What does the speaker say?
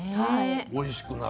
おいしくなる。